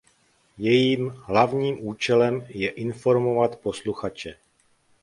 Jejím hlavním účelem je informovat posluchače.